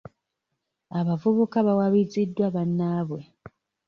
Abavubuka bawabiziddwa banaabwe.